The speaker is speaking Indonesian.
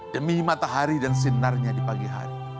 demi matahari dan sinarnya di pagi hari